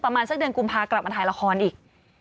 ประมาณสักเดือนกุมภากลับมาถ่ายละครอีก